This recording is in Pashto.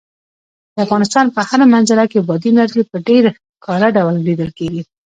د افغانستان په هره منظره کې بادي انرژي په ډېر ښکاره ډول لیدل کېږي.